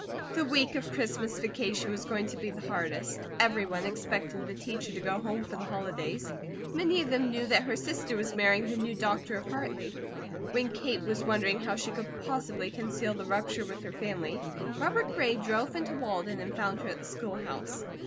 The week of Christmas vacation was going to be the hardest; everyone expected the teacher to go home for the Holidays. Many of them knew that her sister was marrying the new doctor of Hartley. When Kate was wondering how she could possibly conceal the rupture with her family, Robert Gray drove into Walden and found her at the schoolhouse.